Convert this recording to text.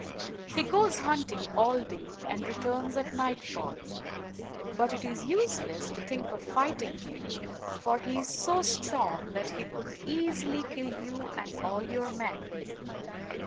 He goes hunting all day, and returns at nightfall ; but it is useless to think of fighting him, for he is so strong that he could easily kill you and all your men."